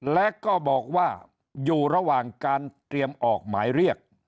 และก็บอกว่าอยู่ระหว่างการเตรียมออกหมายเรียก